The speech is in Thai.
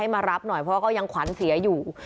มารับหน่อยเพราะว่าก็ยังขวัญเสียอยู่